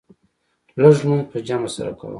لږ لمونځ په جمع سره کوه.